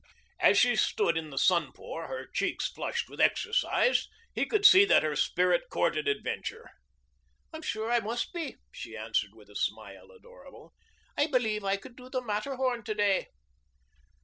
As she stood in the sunpour, her cheeks flushed with exercise, he could see that her spirit courted adventure. "I'm sure I must be," she answered with a smile adorable. "I believe I could do the Matterhorn to day."